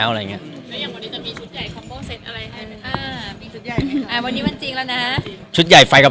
เกรงไหมค่ะ